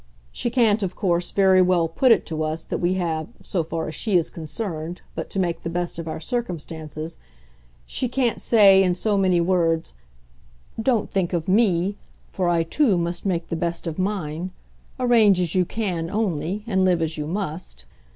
She can't of course very well put it to us that we have, so far as she is concerned, but to make the best of our circumstances; she can't say in so many words 'Don't think of me, for I too must make the best of mine: arrange as you can, only, and live as you must.